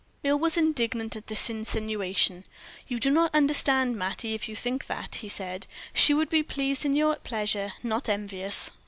Earle was indignant at this insinuation. "You do not understand Mattie if you think that," he said. "She would be pleased in your pleasure, not envious."